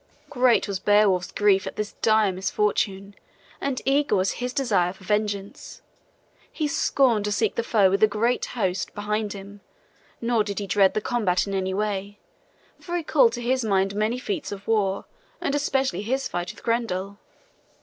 Great was Beowulf's grief at this dire misfortune, and eager was his desire for vengeance. He scorned to seek the foe with a great host behind him, nor did he dread the combat in any way, for he called to mind his many feats of war, and especially his fight with Grendel.